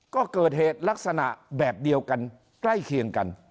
ก็เกิดเหตุลักษณะแบบเดียวกันใกล้เคียงกัน